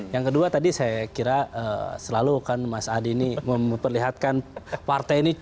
yang kedua tadi saya kira selalu kan mas adi ini memperlihatkan partai ini